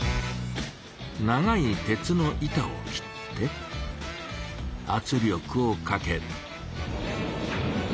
長い鉄の板を切ってあつ力をかけ。